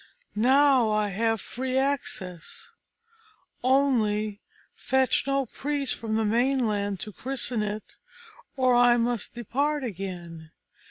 Now I have free access. Only fetch no priest from the mainland to christen it, or I must depart again.